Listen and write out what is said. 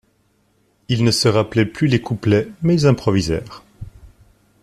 Ils ne se rappelaient plus les couplets, mais ils improvisèrent.